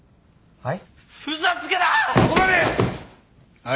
はい。